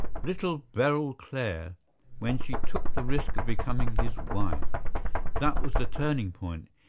"Little Beryl Clare, when she took the risk of becoming his wife. That was the turning point.